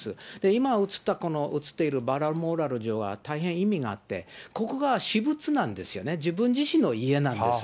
今写った、写っているバルモラル城は大変意味があって、ここが私物なんですよね、自分自身の家なんです。